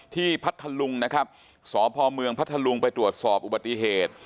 พัทธลุงนะครับสพเมืองพัทธลุงไปตรวจสอบอุบัติเหตุ